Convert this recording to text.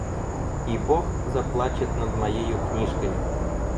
И бог заплачет над моею книжкой!